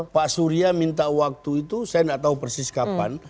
pak surya minta waktu itu saya tidak tahu persis kapan